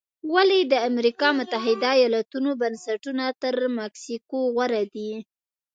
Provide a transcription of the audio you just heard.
ولې د امریکا متحده ایالتونو بنسټونه تر مکسیکو غوره دي؟